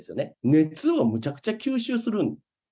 熱をむちゃくちゃ吸収するんです。